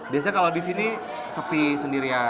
biasanya kalau di sini sepi sendiri ya